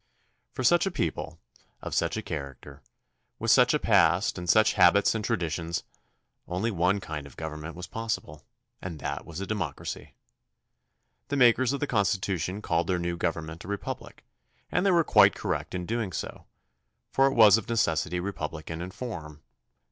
For such a people, of such a character, with such a past and such habits and traditions, only one kind of government was possible, and that was a democracy. The makers of the Constitution called their new gov ernment a republic and they were quite correct in doing so, for it was of necessity republican in form.